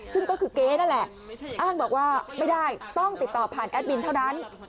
ซึ่งก็คือเก๊นั่นแหละอ้างบอกว่าไม่ได้ต้องติดต่อผ่านแอดมินเท่านั้น